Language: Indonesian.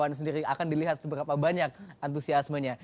jadi kita sendiri akan dilihat seberapa banyak antusiasmenya